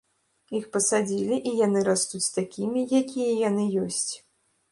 Іх пасадзілі і яны растуць такімі, якія яны ёсць.